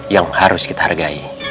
yang harus kita hargai